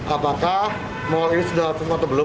apakah mall ini sudah terkoneksi atau belum